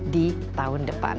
di tahun depan